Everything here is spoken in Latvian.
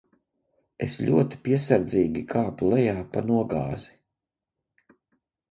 Es ļoti piesardzīgi kāpu lejā pa nogāzi.